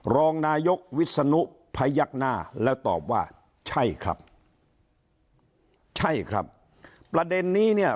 รองนายกวิศนุพยักหน้าแล้วตอบว่าใช่ครับใช่ครับประเด็นนี้เนี่ย